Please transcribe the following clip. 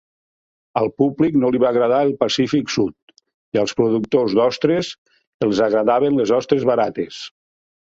Al públic no li va agradar el Pacífic Sud i als productors d'ostres els agradaven les ostres barates.